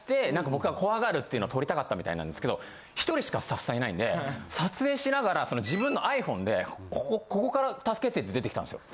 僕が怖がるっていうのを撮りたかったみたいなんですけど１人しかスタッフさんいないんで撮影しながら自分のｉＰｈｏｎｅでここから「助けて」って出てきたんですよ。